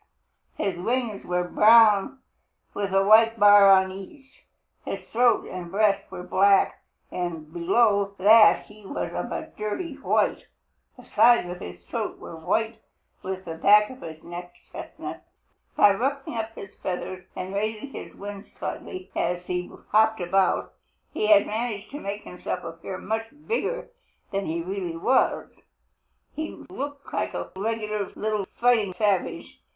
His wings were brown with a white bar on each. His throat and breast were black, and below that he was of a dirty white. The sides of his throat were white and the back of his neck chestnut. By ruffling up his feathers and raising his wings slightly as he hopped about, he managed to make himself appear much bigger than he really was. He looked like a regular little fighting savage.